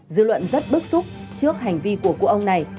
dư luận rất bức xúc trước hành vi của cụ ông này